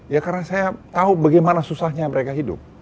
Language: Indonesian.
ya karena saya tahu bagaimana susahnya mereka hidup